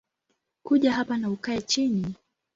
Kuja hapa na ukae chini